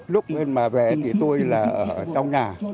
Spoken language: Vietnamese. lúc mà về thì tôi là ở trong nhà